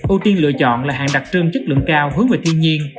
ưu tiên lựa chọn là hàng đặc trơm chất lượng cao hướng về thiên nhiên